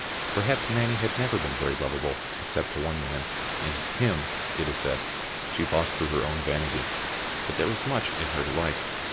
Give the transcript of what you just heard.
Perhaps Nanny had never been very lovable except to one man, and him, it is said, she lost through her own vanity; but there was much in her to like.